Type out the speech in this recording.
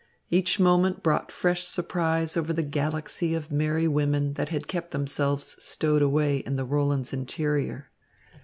Each moment brought fresh surprise over the galaxy of merry women that had kept themselves stowed away in the Roland's interior.